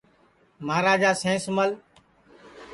مہاراجا سینس مل